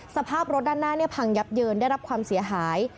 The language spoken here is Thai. สภาพรถด้านหน้าพังยับเยินได้รับความเสียหาย